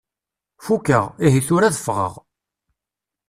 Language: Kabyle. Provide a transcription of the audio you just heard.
Fukkeɣ, ihi tura ad ffɣeɣ.